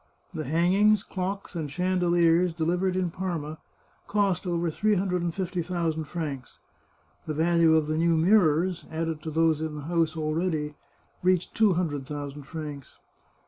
The hangings, clocks, and chande liers, delivered in Parma, cost over three hundred and fifty thousand francs. The value of the new mirrors, added to those the house already contained, reached two hundred 426 The Chartreuse of Parma thousand francs.